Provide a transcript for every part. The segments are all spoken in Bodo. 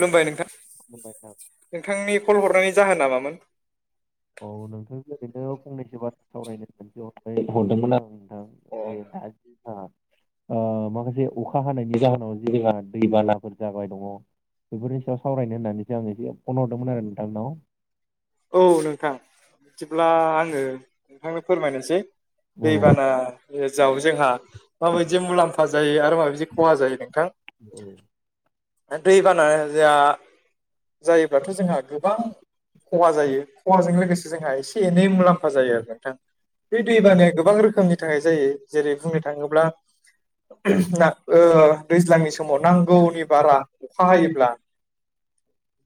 खुलुमबाय नोंथां खुलुमबाय नोंथां नोंथांनि कल हरनायनि जाहोना मामोन? औ नोंथांजों ओरैनो फंनैसो बाथ्रा सावरायनो होननासो हरबाय हरदोंमोन आं। [unintelligible] ओ माखासे अखा हानायनि जाहोनाव जा दैबानाफोर जाबाय दङ'। बेफोरनि सायाव सावरायनो होननानैसो आं एसे फन हरदोंमोन आरो नोंथांनाव। औ नोंथां बिदिब्ला आङो नोंथांनो फोरमायनोसै दैबाना ना जाव जोंहा माबायदि मुलाम्फा जायो आरो माबायदि खहा जायो नोंथां। दैबाना जाहा जायोब्लाथ' जोंहा गोबां खहा जायो खहजों लोगोसे जोंहा एसे एनै मुलाम्फा जायो आरो नोंथां। बे दै बानाया गोबां रोखोमनि थाखाय जायो। जेरै बुंनो थाङोब्ला ओ दैज्लांनि समाव नांगौनि बारा अखा औ हायोब्ला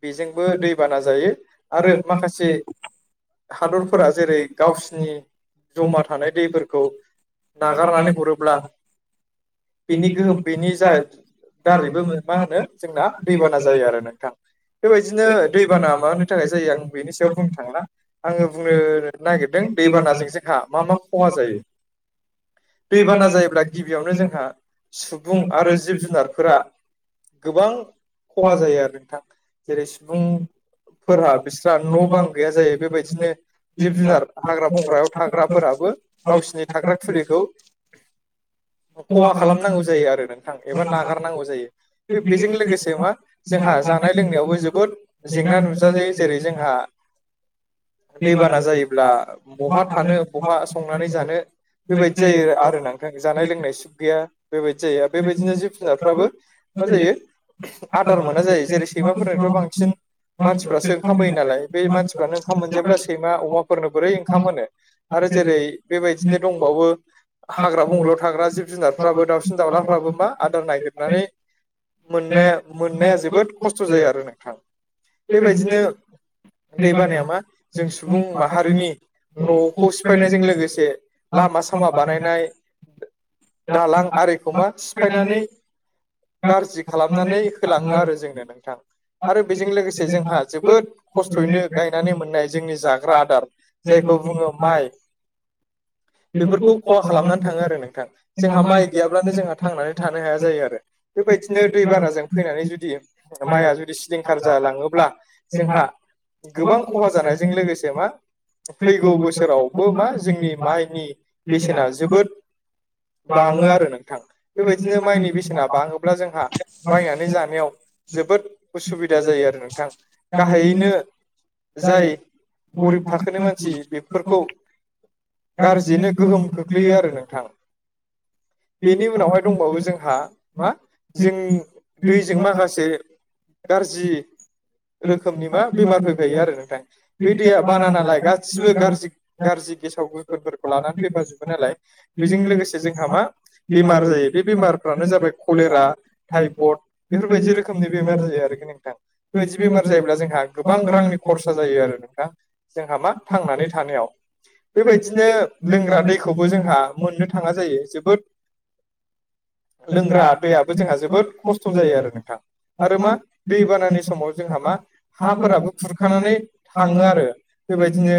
बेजोंबो दैबाना जायो दैबानाजों आरो माखासे जिब हादरफोरा जेरै जुनारफोरा गावसिनि जमा गोबां थानाय खहा दैफोरखौ नागारनानै हरोब्ला [unintelligible] दारैबो मा होनो जोंना जायो दैबाना जायो आरो नोंथां बेबायदिनो दैबाना मा होनो जायो आं बेनि सायाव बुंनो थांला आङो बुंनो नागिरदों दैबानाजों जोंहा मा मा खहा जायो दैबाना जायोब्ला गिबियावनो जोंहा सुबुं आरो जिब जुनारफोरा गोबां खहा जायो आरो नोंथां जेरैं सुबुं जेरै फोरहा बिस्रा न' बां गैया जायो बेबायदिनो जिब जुनार हाग्रा गावसिनि बंग्रायाव थाग्रा थाग्राफोराबो गावसिनि थाग्रा थुलिखौ खुलिखौ खहा खालामनांगौ जायो आरो नों थां एबा नागारनांगौ जायो बे बेजों लोगोसे मा जोंहा जानाय लोंनायावबो जोबोद जेंना नुजा जायो जेरै जोंहा दैबाना जायोब्ला बहा थानो बहा संनानै जानो बेबायदि जायो आरो ना। जानाय लोंनाय सुग गैया बेबायदि जायो बेबायदिनो जिब जुनारफ्राबो मा जायो आदार मोना जायो जेरै बेबायदिनो सैमाफोराथ बांसिन मानसिफ्रासो ओंखाम होयो नालाय बे मानसिफ्रानो ओंखाम मोनजायाब्ला सैमा अमाफोरनो बोरै ओंखाम होनो। आरो जेरै बेबायदिनो दंबावो। हाग्रा बंग्रायाव थाग्रा जिब जुनारफ्राबो दाउसिन दाउलाफ्राबो मा आदार नायागिरनानै मोननाया मोननाया जोबोद खस्थ' जायो आरो नोंथां। बेबायदिनो दै बानाया मा जों सुबुं माहारिनि न' खौ सिफायनायजों लोगोसे लामा सामा बानायनाय दालां आरिखौ मा सिफायनानै गारजि खालामनानै होलाङो आरो जोंनो नोंथां आरो बेजों लोगोसे जों हा जोबोद खस्थ'यैनो गायनानै गथ'नो मोननाय जोंनि जाग्रा आदार जायखौ बुङो माइ बेफोरखौ खहा खालामनानै थाङो आरो नोंथां। जोंहा माइ गैयाब्लानो जोंहा थांनानै थानो हाया जायो आरो बेबायदिनो दैबानाजों फैनानै जुदि हाया माइआ जुदि सिलिंखार जायो। जालाङोब्ला जोंहा गोबां खहा जानायजों लोगोसे मा फैगौ बोसोरावबो मा जोंनि माइनि बेसेना जोबोद बाङो आरो नोंथां बेबायदिनो माइनि बेसेना बाङोब्ला जोंहा बायनानै जानायाव जोबोद उसुबिदा जायो आरो नोंथां। गाहायैनो जाय गरिब थाखोनि मानसि बेफोरखौ [unintelligible] गाज्रियैनो [unintelligible] गोहोम खोख्लैयो आरो नोंथां। बेनि उनावहाय दंबावो जोंहा मा जों दैजों माखासे गारजि गाज्रि रोखोमनि मा बेमार गोहोमफोरा जायो फैफायो आरो नोंथां बे दैया बाना नालाय गासिबो गाज्रि गारजि गेसाव गोफोनफोरखौ लानानै फैबाजोबो नालाय बेजों लोगोसे जोंहा मा बेमार जायो बे बेमारफ्रानो जाबाय कलेरा टाइफड बेफोरबायदि रोखोमनि बेमार जायो आरो [unintelligible] नोंथां। थै बेबायदि बेमार जायो। जायोब्ला जोंहा गोबां रांनि खरसा जायो आरो नोंथा जोंहा मा फाननानै थांनानै थानायाव। बेबायदिनो लोंग्रा दैखौबो जोंहा मोननो थाङा जायो जोबोद लोंग्रा दैयाबो जोंहा जोबोद खस्थ' जायो आरो नोंथां आरो मा दै बानानि समाव जोंहा मा हाफोराबो खुरखानानै थाङो आरो बेबायदिनो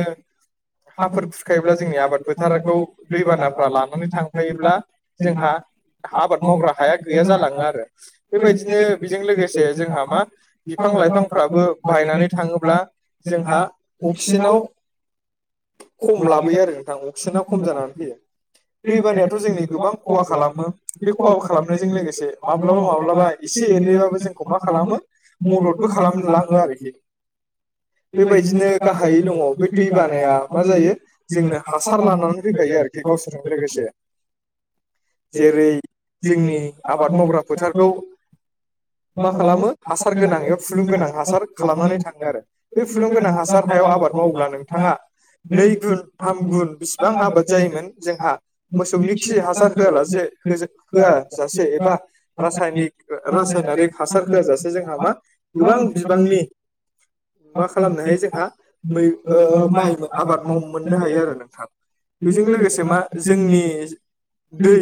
हाफोर खुरखायोब्ला जोंनि आबाद फोथारखौ दैबानाफ्रा लानानै थांफायोब्ला जोंहा हा आबाद मावग्रा हाया गैया जालाङो आरो आरो बेबायदिनो बेजों लोगोसे जोंहा मा बिफां फांब्रै लाइफांफ्राबो फांबा [unintelligible] बायनानै थाङोब्ला जोंहा अक्सिजेनाव खम लाबोयो आरो नोंथां अक्सिजेना खम जानानै फैयो। दैबानायाथ' जोंनि गोबां खहा खालामो बे खहा खालामनायजों लोगोसे माब्लाबा माब्लाबा एसे एनैबाबो जोंखौ मा खालामो मददबो खालामहोलाङो आरोखि। बेबायदिनो गाहायै दङ बे दै बानाया मा जायो जोंनो हासार लानानै फैखायो आरो। बे गावसोरजों लोगोसे बे जोंनि जेरै आबाद मावनो जोंनि आबाद फोथारखौ मावग्रा मा फोथारखौ खालामो हासार मा खालामो होनानै हासार एबा फुलुं गोनां हासार खालामनानै खालामनानै बे थाङो आरो हासार बे फुलुं गोनां हासार हायाव मावोब्ला आबाद नोंथाङा मावोब्ला बै नै गुन थाम हासार गुन गोनां बिसिबां हायाव आबाद जायोमोन जोंहा मोसौनि खि हासार होआलासे होआजासे एबा रासायनिक रासायनारिक हासार [unintelligible] होआजासे [unintelligible] जोंहा मा गोबां बिबांनि मा खालामनो हायो जोंहा मै ओ माइ आबाद माव मोननो हायो आरो नोंथां बेजों लोगोसे मा जोंनि दै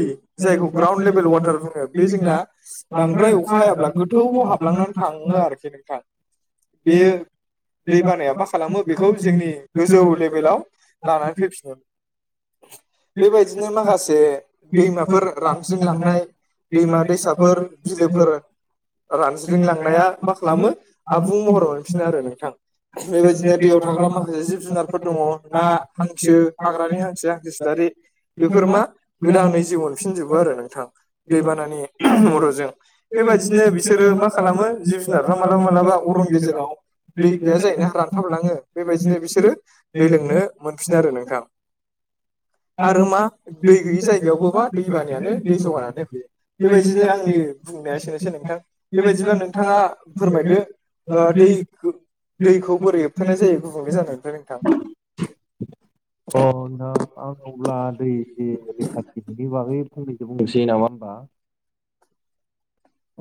जायखौ ग्राउन्ड लेभेल वाटार बुङो बे जोंना बांद्राय अखा हायाब्ला हायाब्लाबो गोथौ हाब खहा खालामनो हाबलांनानै हागौ थाङो आरो आरोखि नोंथां बेयो बे दै बानाया गामियाबा मा खालामो बेखौ जोंनि गोथौ गोजौ नोजोराव लेभेलाव लानानै फैफिनो बेबायदिनो माखासे दैमाफोर रानज्रिलांनाय दैमा दैसाफोर बिलोफोर रानज्रिंलांनाया मा खालामो आबुं महराव मोनफिनो आरो नोंथां बेबायदिनो दैयाव थाग्रा माखासे जिब जुनारफोर दङ ना हांसो हा हाग्रानि हांसो हांसो सिलारि दङ ना, मैसो, बेफोर मा गोदानै जिउ मोनफिनजोबो गोदान आरो नोंथां दैबानानि बेबायदिनो मददजों बेबायदिनो बिसोरो मा खालामो जिब जुनारफ्रा मालाबा मालाबा अरन गेजेराव दै गैया जायो ना जायोना नाखौ मोनो बेबायदिनो रानथाबलाङो बेबायदिनो बिसोरो दै लोंनो मोनफिनो आरो नोंथां [inaudible] आरो मा दै गैयि जायगायावबो बा दै बानायानो दै जगानानै होफैयो बेबायदिनो आंनि बुंनाया एसेनोसै नोंथां बेबायदिबा नोंथाङा फोरमायदो ओ दै दैखौ बोरै होबथानाय जायो गुबुंले जानायनिफ्राय नोंथां अ नोंथां आं अब्ला दै जे रैखाथिनि बागै फंनै बुंनोसै नामा होमबा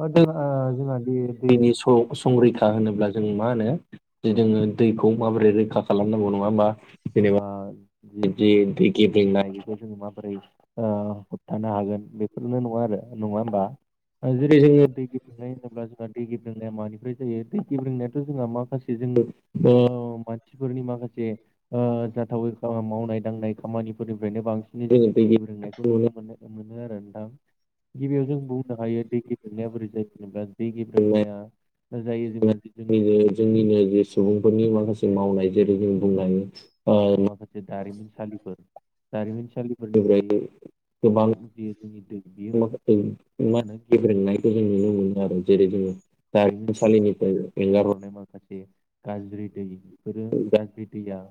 ओ जोंना जों दै दै जोंहा बे दैनि संरैखा होनोब्ला जों मा होनो जोङो दैखौ माबोरै रैखा खालामनांगौ नङा होमबा जेनेबा जि जे दै गेब्रेंनाय बेखौ जों माबोरै ओ होबथानो हागोन बेफोरनो नङा आरो नङा होमबा जेरै जोङो दै गेब्रेंनाय होनोब्ला जोंहा दै गेब्रेंनाया मानिफ्राय जायो दै गेब्रोंनायाथ' जोंहा माखासे जोङो ओ मानसिफोरनि माखासे ओ जाथावै मावनाय दांनाय खामानिफोरनिफ्रायनो बांसिनै जोङो दै गेब्रेंनायखौ नुनो मोनो मोनो आरो नोंथां गिबियाव जों बुंनो हायो दै गेब्रेंनाया बोरै जायो होनोब्ला दै गेब्रेंनाया जायो जोङो जिहेथु नैबे जोंनिनो बे सुबुंफोरनि माखासे मावनाय जेरै जों बुंनो हायो ओ माखासे दारिमिनसालिफोर दारिमिनसालिफोरनिफ्राय दै ओ गोबां बिदि बेयो माखासे मा होनो गेब्रेंनायखौ जों नुनो मोनो आरो जेरै जोङो दरिमिनसालिनिफ्राय एंगारहरनाय मा माखासे गाज्रि दै बेफोरो गाज्रि दैया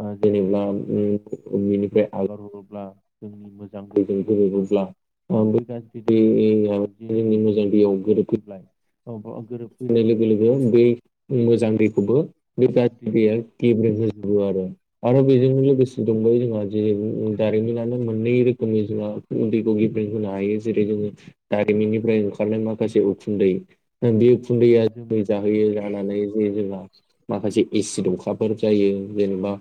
ओ जेनेबा ओ बिनिफ्राय आगार हरोब्ला जोंनि मोजां दैजों गोरोबोब्ला बै गाज्रि दैया जोंनि मोजां दैयाव गोरोबफैबाय ओमफ्राय गोरोबफैनाय लोगो लोगो बै उम मोजां दैखौबो बे गाज्रि दैया गेब्रें होजोबो आरो। आरो बेजोंनो लोगोसे दंबायो जोंहा जेर उम उम जारिमिनानो मोननै रोखोमनि जोंहा। [unintelligible] हायो जेरै जोङो दारिमिननिफ्राय ओंखारनाय माखासे उखुन्दै दा बे [unintelligible] जाहोयो जानानै जे जेब्ला माखासे एसिड अखाफोर जायो जेनेबा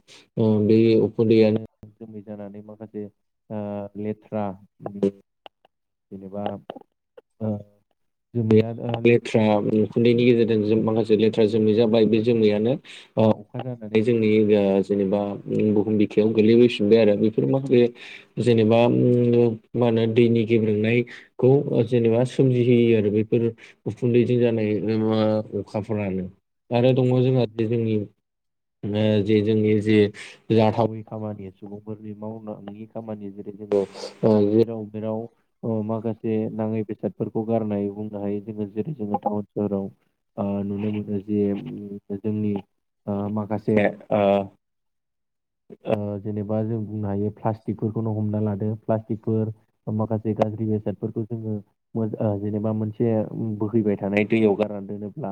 ओ बोयो उखुन्दैया जोमै जानानै माखासे ओ लेथ्रा जेनेबा ओ जोमैया दा लेथ्रा उखुन्दैनि गेजेरजों जों माखासे लेथ्रा जोमै जाबाय बे जोमैयानो ओ बे जोंनि ओ जेनेबा उम बुहुम बिखायाव गोलैबोैफिनबाय आरो। [unintelligible] माखासे जेनेबा ओम मा होनो दैनि गेब्रेंनाय खौ ओ जेनेबा सोमजिहोयो आरो बेफोर उखुन्दै नै बे बा अखाफोरानो आरो दङ जोंहा जोंनि ओ जे जोंनि जे जाथावै खामानि सुबुंफोरनि माव नो हायि खामानि जेरै जोङो ओ जेराव मेराव अ माखासे नाङै बेसादफोरखौ गारनाय बुंनो हायो जोङो जेरै जोङो टाउन सोहराव ओ नुनो मोनो जे उम जोंनि ओ माखासे ओ ओ जेनेबा जों बुंनो हायो फोरखौनो हमना लादो प्लास्टिकफोर ओ माखासे गाज्रि बेसादफोरखौ जोङो मोज ओ जेनेबा मोनसे उम बोहैबाय थानाय दैआव गारना दोनोब्ला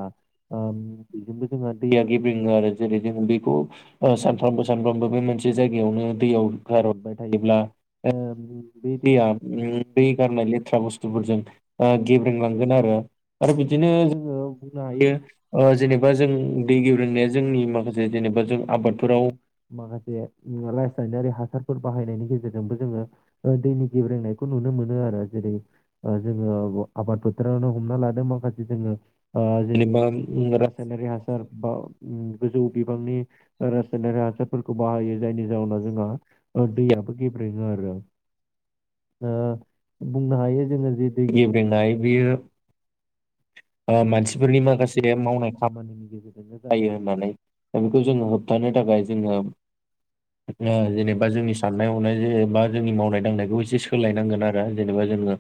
ओम बेजोंबो जोंहा दैया गेबेङो आरो जेरै जों बेखौ ओ सानफ्रामबो सानफ्रामबो बे मोनसे जायगायावनो दैयाव गारहरबाय थायोब्ला ओ बे दैया उम दै गारनाय लेथ्रा बुस्थुफोरजों ओ गेब्रेंलांगोन आरो। आरो बिदिनो जोङो बुंनो हायो ओ जेनेबा जों दै गेब्रेंनायआ जोंनि माखासे जेनेबा जों आबादफोराव माखासे रासायनारि हा सार बाहायनायनि गेजेरजोंबो जोङो ओ दैनि गेब्रेंनायखौ नुनो मोनो आरो। जेरै ओ जोङो आबाद फोथारावनो हमना लादों माखासे जोङो ओ जेनेबा उम रासायनारि हासार बा गोजौ बिबांनि रासायनारि हासारफोरखौ बाहायो जायनि जाउनाव जोंहा ओ दैयाबो गेब्रेंयो आरो। ओ बुंनो हायो जोङो जे दै गेब्रेनाय बेयो ओ मानसिफोरनि माखासे मावनाय खामानिनि गेजेरजोंनो जायो होननानै। दा बेखौ जोंङो होबथानो थाखाय जोंयो ओ जेनेबा जोंनि साननाय हनाय जेनेबा जोंनि मावनाय दांनायखौ एसे सोलायनांगोन आरो जेनेबा जोङो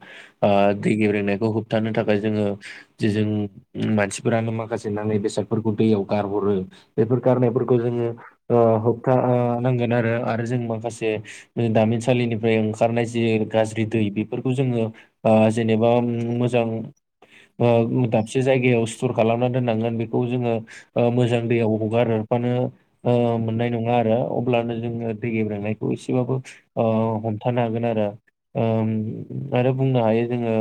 ओ दै गेब्रेंनायखौ होबथानो थाखाय जोङो जे जों मानसिफोरानो माखासे नाङै बेसादफोरखौ दैयाव गारहरो बेफोर खारनायफोरखौ जोङो ओ होबथा नांगोन आरो आरो जों माखासे ओ दामिनसालिनिफ्राय ओंखारनाय जे गाज्रि दै बेफोरखौ जोङो ओ जेनेबा ओम मोजां ओ उम दाबसे जायगायाव स्टर खालामना दोननांगोन बेखौ जोङो ओ मोजां दैयाव हगारफानो ओ मोननाय नङा आरो। अब्लानो जोङो दै गेब्रेंनायखौ एसेबाबो ओ हमथानो हागोन आरो। ओम आरो बुंनो हायो जोंयो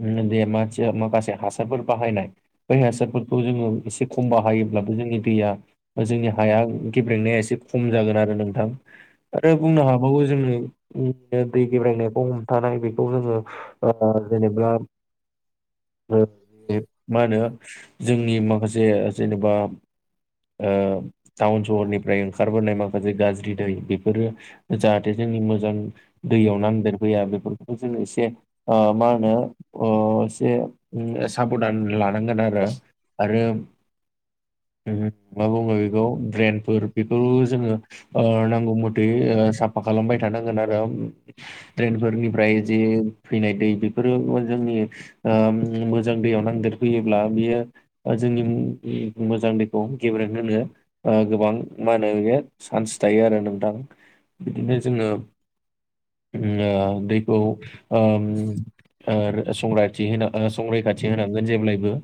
ओम बे मानसि या माखासे हासारफोर बाहायनाय बै हासारफोरखौ जोङो एसे खम बाहायोब्लाबो जोंनि दैया जोंनि हाया गेब्रेंनाया एसे खम जागोन आरो नोंथां आरो बुंनो हा गौ जोङो दै गेब्रेंनायखौ हमथानाय बेखौ जोङो ओ जेनेबा ओ मा होनो जोंनि माखासे जेनेबा ओ टाउन सहरनिफ्राय ओंखारबोनाय माखासे गाज्रि दै बेफोरो जाहाथे जोंनि मोजां दैयाव नांदेरफैया बेफोरखौ जों एसे ओ मा होनो अ एसे साबधान लानांगोन आरो आरो उ मा बुङोबिखौ ड्रेनफोर बेफोरखौ जोङो ओ नांगौ मथै ओ साफा खालामबाय थानांगोन आरो ट्रेनफोरनिफ्राय जे फैनाय दै बेफोरो जोंनि ओम मोजां दैयाव नांदेरफैयोब्ला बियो जोंनि मोजां दैखौ गेब्रें होनो ओ गोबां मा होनो बे चान्स थायो आरो नोंथां बिदिनो जोङो ओ दैखौ ओम ओ संराथि होन ओ संरैखाथि होनांगोन जेब्लायबो।